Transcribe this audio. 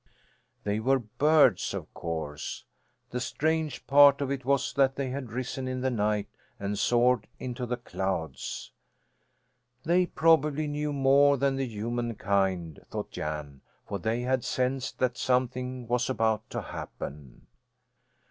They were birds of course. The strange part of it was that they had risen in the night and soared into the clouds. They probably knew more than the human kind, thought Jan, for they had sensed that something was about to happen.